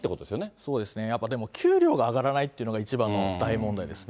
そうですね、やっぱでも、給料が上がらないというのが、一番の大問題ですね。